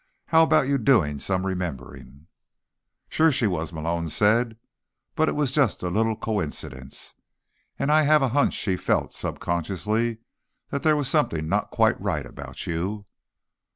How about you doing some remembering?" "Sure she was," Malone said. "But it was just a little coincidence. And I have a hunch she felt, subconsciously, that there was something not quite right about you."